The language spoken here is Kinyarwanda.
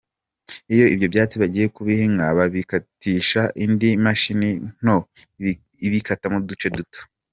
Iyo ibyo byatsi bagiye kubiha inka, babikatisha indi mashini nto ibikatamo uduce duto.